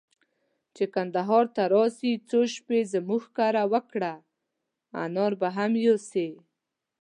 چي کندهار ته راسې، يو څو شپې زموږ کره وکړه، انار به هم يوسې.